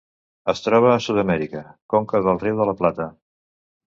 Es troba a Sud-amèrica: conca del riu de La Plata.